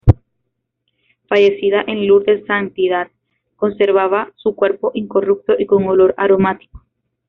Fallecida en loor de santidad, conservaba su cuerpo incorrupto y con olor aromático.